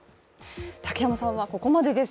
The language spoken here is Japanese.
竹山さんはここまでです。